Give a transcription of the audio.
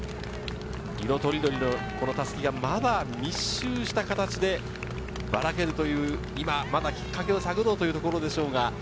色とりどりの襷がまだ密集した形でバラけるというきっかけを探ろうというところでしょうか。